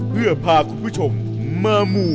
เพื่อพาคุณผู้ชมมาหมู่